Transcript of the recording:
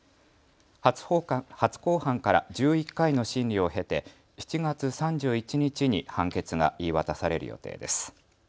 初公判から１１回の審理を経て７月３１日に判決が言い渡される予定です。